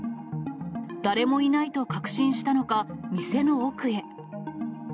誰もいないと確信したのか、店の奥へ。